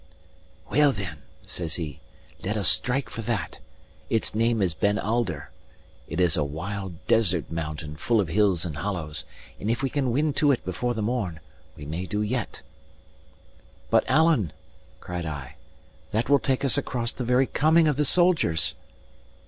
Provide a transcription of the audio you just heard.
"Well, then," says he, "let us strike for that. Its name is Ben Alder. it is a wild, desert mountain full of hills and hollows, and if we can win to it before the morn, we may do yet." "But, Alan," cried I, "that will take us across the very coming of the soldiers!"